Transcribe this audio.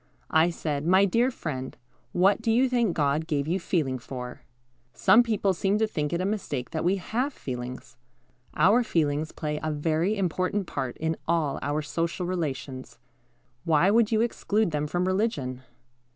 I said, "My dear friend, what do you think God gave you feeling for?" Some people seem to think it a mistake that we have feelings. Our feelings play a very important part in all our social relations. Why would you exclude them from religion?